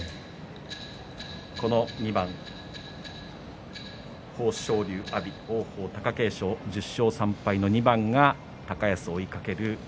この２番、豊昇龍、阿炎王鵬、貴景勝１０勝３敗の２番が高安を追いかける